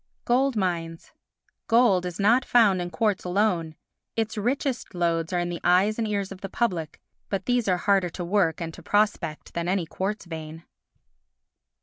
Gold Mines Gold is not found in quartz alone; its richest lodes are in the eyes and ears of the public, but these are harder to work and to prospect than any quartz vein.